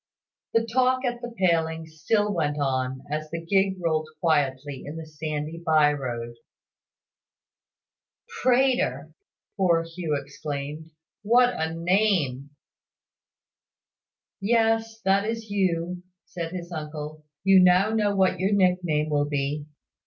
The talk at the palings still went on, as the gig rolled quietly in the sandy by road. "Prater!" poor Hugh exclaimed. "What a name!" "Yes; that is you," said his uncle. "You know now what your nick name will be.